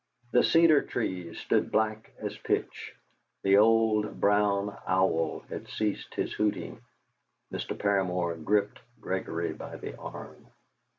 The cedar trees stood black as pitch. The old brown owl had ceased his hooting. Mr. Paramor gripped Gregory by the arm.